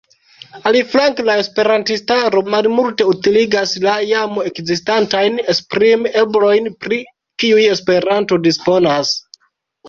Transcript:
Aliflanke la esperantistaro malmulte utiligas la jam ekzistantajn esprim-eblojn, pri kiuj Esperanto disponas.